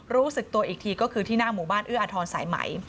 รู้สึกตัวอีกทีก็คือที่หน้าหมู่บ้านเอื้ออทรสายใหม่